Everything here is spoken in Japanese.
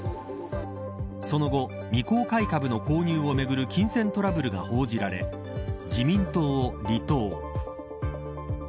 その後、未公開株の購入をめぐる金銭トラブルが報じられ自民党を離党。